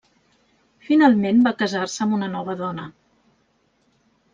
Finalment va casar-se amb una nova dona.